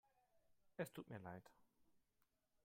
Es tut mir leid.